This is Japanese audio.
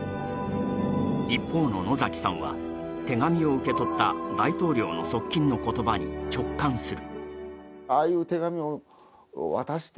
一方の野崎さんは、手紙を受け取った大統領の側近の言葉に直感する。